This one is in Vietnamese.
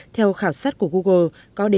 theo khảo sát của google